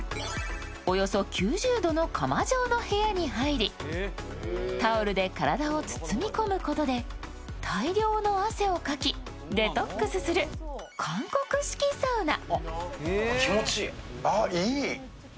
およそ９０度の釜状の部屋に入りタオルで体を包み込むことで大量の汗をかきデトックスする韓国式サウナ。